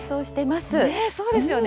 そうですよね。